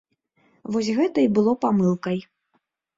Вось гэта і было памылкай.